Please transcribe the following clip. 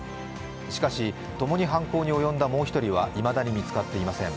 しかし、ともに犯行に及んだもう１人はいまだに見つかっていません。